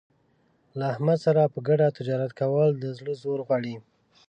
له احمد سره په ګډه تجارت کول د زړه زور غواړي.